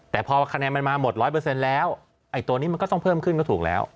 แต่พอคะแนนมันมาหมด๑๐๐แล้วไอ้ตัวนี้มันก็ต้องเพิ่มขึ้นก็ถูกแล้ว